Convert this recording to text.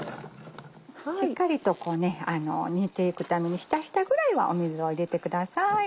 しっかりと煮ていくためにヒタヒタくらいは水を入れてください。